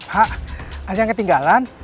pak ada yang ketinggalan